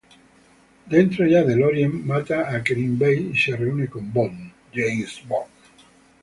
Dentro ya del "Orient", mata a Kerim Bey y se reúne con Bond.